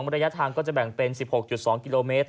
ระยะทางก็จะแบ่งเป็น๑๖๒กิโลเมตร